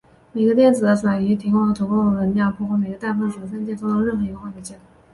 每个电子的转移提供了足够的能量破坏每个氮分子的三键中的任一个化学键。